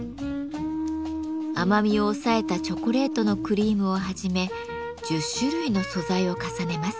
甘みを抑えたチョコレートのクリームをはじめ１０種類の素材を重ねます。